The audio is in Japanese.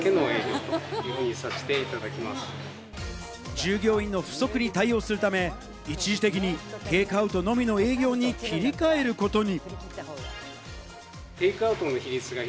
従業員の不足に対応するため、一時的にテイクアウトのみの営業に切り替えることに。